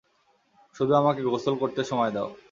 শুধু আমাকে গোসল করতে সময় দাও।